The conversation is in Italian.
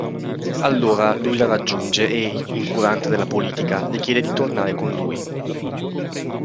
Allora lui la raggiunge e, incurante della politica, le chiede di tornare con lui.